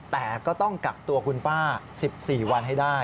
แต่ก็ต้องกักตัวคุณป้า๑๔วันให้ได้